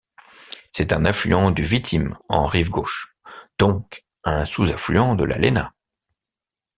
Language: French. C'est un affluent du Vitim en rive gauche, donc un sous-affluent de la Léna.